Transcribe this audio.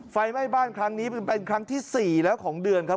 ไฟไหม้บ้านครั้งนี้เป็นครั้งที่๔แล้วของเดือนครับ